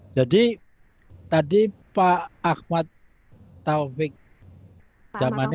jadi tadi pak ahmad taufik dhamanik